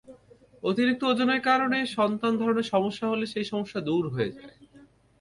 অতিরিক্ত ওজনের কারণে সন্তান ধারণে সমস্যা হলে সেই সমস্যা দূর হয়ে যায়।